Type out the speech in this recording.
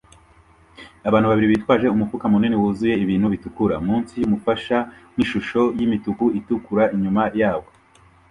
Abantu babiri bitwaje umufuka munini wuzuye ibintu bitukura munsi yumufasha nkishusho yimituku itukura inyuma yabo